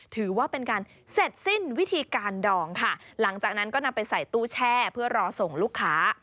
ถือว่าเป็นการเสร็จสิ้นวิธีการดองค่ะหลังจากนั้นก็นำไปใส่ตู้แช่เพื่อรอส่งลูกค้า